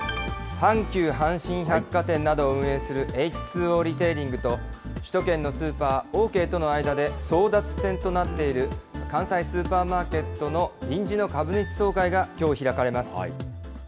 阪急阪神百貨店などを運営するエイチ・ツー・オーリテイリングと、首都圏のスーパー、オーケーとの間で争奪戦となっている関西スーパーマーケットの臨時の株主総会がきょう開かれます。